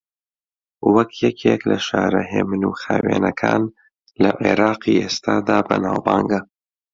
وەک یەکێک لە شارە ھێمن و خاوێنەکان لە عێراقی ئێستادا بەناوبانگە